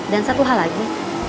dan satu hal lagi